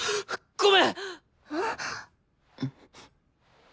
ごめん。